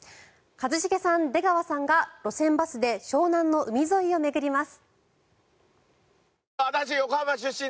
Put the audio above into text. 一茂さん、出川さんが路線バスで湘南の海沿いを巡ります。